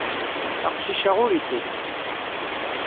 Aqcic-a ur ittett.